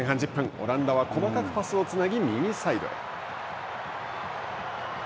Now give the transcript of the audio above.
オランダは細かくパスをつなぎ、右サイドへ。